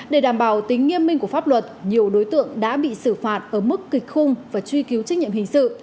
để đảm bảo tính nghiêm minh của pháp luật nhiều đối tượng đã bị xử phạt ở mức kịch khung và truy cứu trách nhiệm hình sự